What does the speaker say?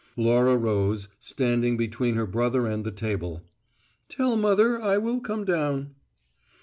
Laura rose, standing between her brother and the table. "Tell mother I will come down."